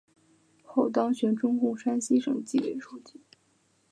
后当选中共山西省纪委书记。